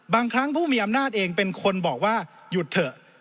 บางครั้งผู้มีอำนาจเองเป็นคนบอกว่าหยุดเถอะ